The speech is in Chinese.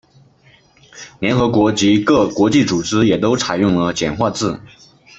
联合国及各国际组织也都采用了简化字。